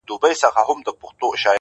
بيا تاته اړتيا لرم گراني څومره ښه يې ته